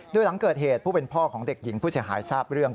โดยหลังเกิดเหตุผู้เป็นพ่อของเด็กหญิงผู้เสียหายทราบเรื่อง